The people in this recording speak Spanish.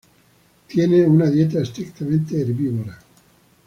Tiene una dieta estrictamente herbívora.